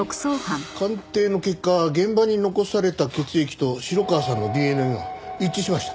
鑑定の結果現場に残された血液と城川さんのＤＮＡが一致しました。